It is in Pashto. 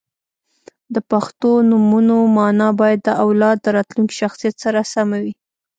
• د پښتو نومونو مانا باید د اولاد د راتلونکي شخصیت سره سمه وي.